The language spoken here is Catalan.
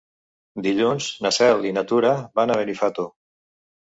Dilluns na Cel i na Tura van a Benifato.